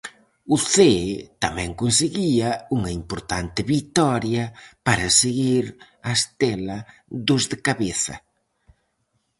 O Cee tamén conseguía unha importante vitoria para seguir a Estela dos de cabeza.